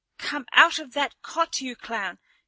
"Come out of that cot, you clown!